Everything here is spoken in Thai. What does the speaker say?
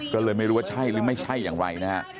ก็เลยไม่รู้ว่าใช่หรือไม่ใช่อย่างไรนะฮะ